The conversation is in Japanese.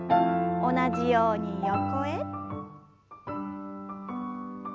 同じように横へ。